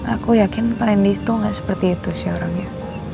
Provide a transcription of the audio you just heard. aku yakin perendies itu gak seperti itu sih orangnya